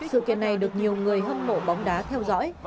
sự kiện này được nhiều người hâm mộ bóng đá theo dõi